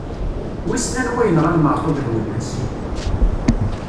Wissen anwa yenɣan Maɛtub Lwennas?